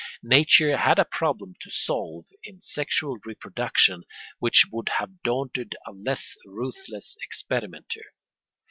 Nature had a problem to solve in sexual reproduction which would have daunted a less ruthless experimenter.